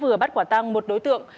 vừa bắt quả tang một đối tượng